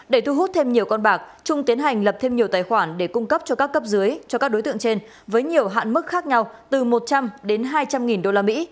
để thu hút thêm nhiều con bạc trung tiến hành lập thêm nhiều tài khoản để cung cấp cho các cấp dưới cho các đối tượng trên với nhiều hạn mức khác nhau từ một trăm linh đến hai trăm linh usd